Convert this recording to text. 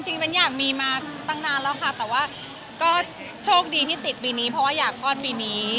เบ้นอยากมีมาตั้งนานแล้วค่ะแต่ว่าก็โชคดีที่ติดปีนี้เพราะว่าอยากคลอดปีนี้